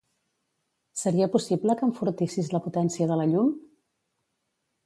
Seria possible que enfortissis la potència de la llum?